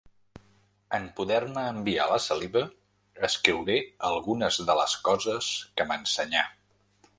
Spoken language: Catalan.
En poder-me enviar la saliva escriuré algunes de les coses que m'ensenyà.